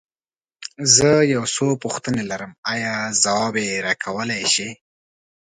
زه يو څو پوښتنې لرم، ايا ځواب يې راکولی شې؟